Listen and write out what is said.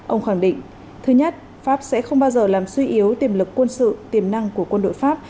ông khẳng định thứ nhất pháp sẽ không bao giờ làm suy yếu tiềm lực quân sự tiềm năng của quân đội pháp